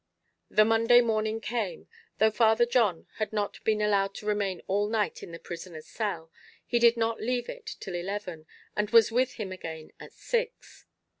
The Monday morning came. Though Father John had not been allowed to remain all night in the prisoner's cell, he did not leave it till eleven, and was with him again at six.